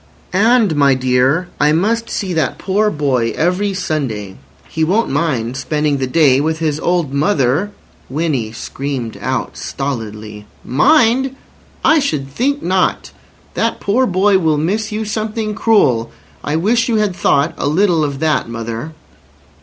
"And, my dear, I must see that poor boy every Sunday. He won't mind spending the day with his old mother—" Winnie screamed out stolidly: "Mind! I should think not. That poor boy will miss you something cruel. I wish you had thought a little of that, mother."